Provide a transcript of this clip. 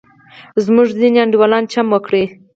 زموږ ځینې انډیوالان چم وکړ.